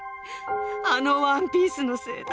あのワンピースのせいだ。